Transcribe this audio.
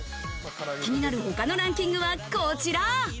気になる他のランキングはこちら。